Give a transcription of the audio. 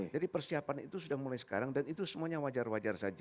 jadi persiapan itu sudah mulai sekarang dan itu semuanya wajar wajar saja